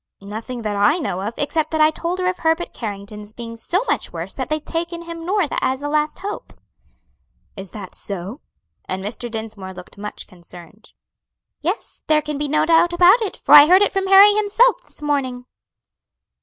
"Nothing that I know of, except that I told her of Herbert Carrington's being so much worse that they've taken him North as a last hope." "Is that so?" and Mr. Dinsmore looked much concerned. "Yes, there can be no doubt about it, for I heard it from Harry himself this morning."